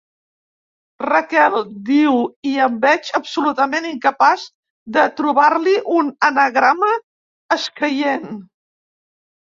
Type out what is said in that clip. Raquel, diu, i em veig absolutament incapaç de trobar-li un anagrama escaient.